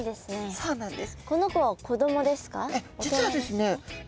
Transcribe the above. そうなんです。